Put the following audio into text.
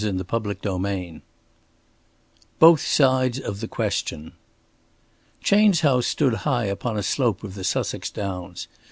CHAPTER XVIII BOTH SIDES OF THE QUESTION Chayne's house stood high upon a slope of the Sussex Downs.